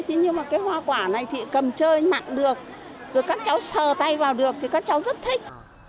thế nhưng mà cái hoa quả này thì cầm chơi mặn được rồi các cháu sờ tay vào được thì các cháu rất thích